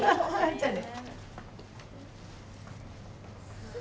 じゃあね。